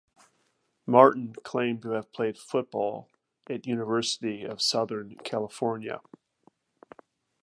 Martin claimed to have played football at University of Southern California.